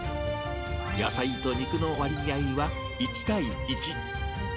野菜の肉の割合は１対１。